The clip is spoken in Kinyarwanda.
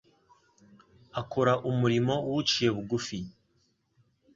akora umurimo w'uciye bugufi.